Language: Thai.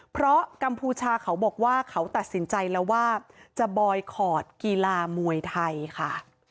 เพราะกัมพูชาเขาบอกว่าเขาตัดสินใจแล้วว่าจะบอยคอร์ดกีฬามวยไทยค่ะ